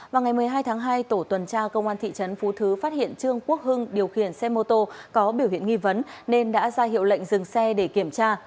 vào ngày một mươi hai tháng hai tổ tuần tra công an thị trấn phú thứ phát hiện trương quốc hưng điều khiển xe mô tô có biểu hiện nghi vấn nên đã ra hiệu lệnh dừng xe để kiểm tra